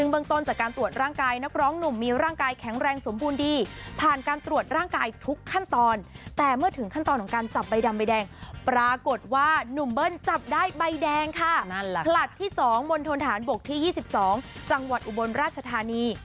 ผลัดที่๒มนตรฐานบกที่๒๒จังหวัดอุบลราชธานี